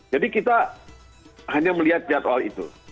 jadi kita hanya melihat jadwal itu